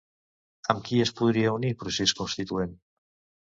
Amb qui es podria unir Procés Constituent?